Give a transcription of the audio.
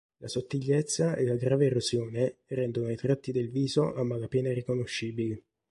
La sottigliezza e la grave erosione rendono i tratti del viso a malapena riconoscibili.